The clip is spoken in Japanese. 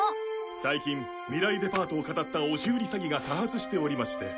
最近未来デパートをかたった押し売り詐欺が多発しておりまして。